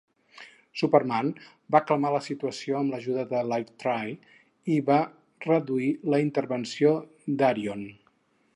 Superman va calmar la situació amb l'ajuda de Lightray i va reduir la intervenció d'Arion.